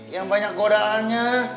yang banyak godaannya